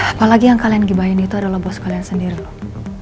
apalagi yang kalian gibahin itu adalah bos kalian sendiri loh